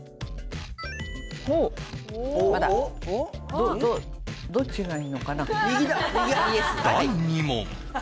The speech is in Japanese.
どっちがいいのかな？